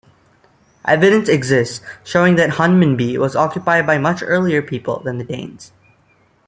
Evidence exists showing that Hunmanby was occupied by much earlier people than the Danes.